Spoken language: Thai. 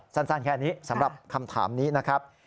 สั้นแค่นี้สำหรับคำถามนี้นะครับ